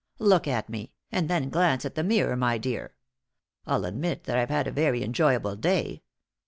Look at me, and then glance at the mirror, my dear. I'll admit that I've had a very enjoyable day.